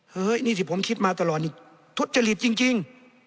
เฮ้ยนี่ที่ผมคิดมาตลอดนี่ทุจริตจริง